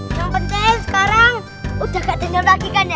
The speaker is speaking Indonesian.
yang penting sekarang udah gak dendam lagi kan ya